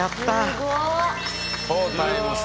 すごっ！